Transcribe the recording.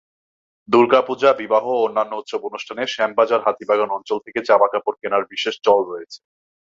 দুর্গাপূজা, বিবাহ ও অন্যান্য উৎসব অনুষ্ঠানে শ্যামবাজার-হাতিবাগান অঞ্চল থেকে জামাকাপড় কেনার বিশেষ চল রয়েছে।